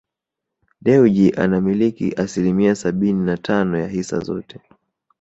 Dewji anamiliki asilimia sabini na tano ya hisa zote